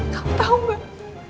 kamu tau gak